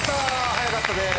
早かったです。